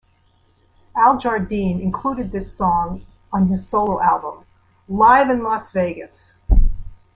Al Jardine included this song on his solo album "Live in Las Vegas".